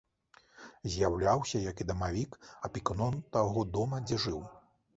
З'яўляўся, як і дамавік, апекуном таго дома, дзе жыў.